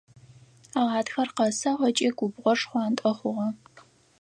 Гъатхэр къэсыгъ ыкӏи губгъор шхъуантӏэ хъугъэ.